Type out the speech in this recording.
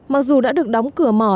mặc dù đã được đóng cửa mỏ